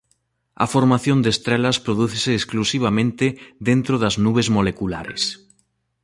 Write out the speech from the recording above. A formación de estrelas prodúcese exclusivamente dentro das nubes moleculares.